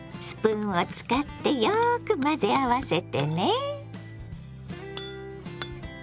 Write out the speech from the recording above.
スプーンを使ってよく混ぜ合わせてね。